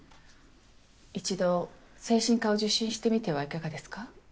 一度精神科を受診してみてはいかがですか？